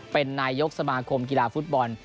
เป็นนายกสมาคมกีฬาฟุตบอล